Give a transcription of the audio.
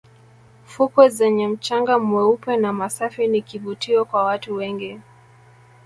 fukwe zenye mchanga mweupe na masafi ni kivutio kwa watu wengi